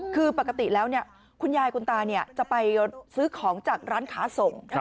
คือปกติแล้วคุณยายคุณตาจะไปซื้อของจากร้านค้าส่ง